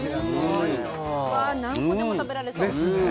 わ何個でも食べられそう。ですね。